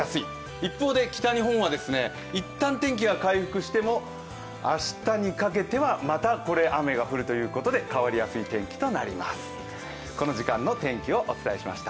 一方で北日本は、一旦天気が回復しても、明日にかけてはまた雨が降るということで、変わりやすい天気となります。